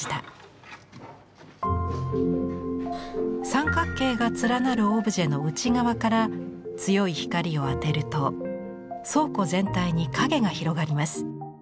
三角形が連なるオブジェの内側から強い光を当てると倉庫全体に影が広がります。